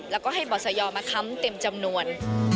แล้วก็ให้บอสยอมาค้ำเต็มจำนวน